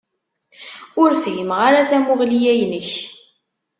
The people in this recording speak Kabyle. Ur fhimeɣ ara tamuɣli-ya-inek.